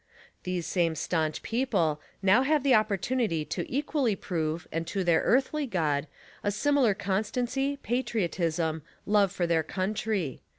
These same staunch people 10 SPY PROOF AMERICA now have the opportunity to equally prove and to their earthly God, asimilai constancy, patriotism, love for their country.